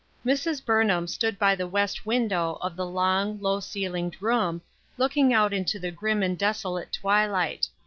MRS. BURNHAM stood by the west window of the long, low ceiled room, looking out into the grim and desolate twilight.